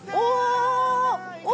お！